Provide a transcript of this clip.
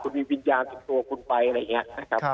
คุณมีวิญญาณติดตัวคุณไปอะไรอย่างนี้นะครับ